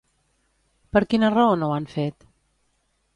Per quina raó no ho han fet?